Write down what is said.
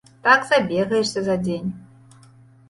Так забегаешся за дзень.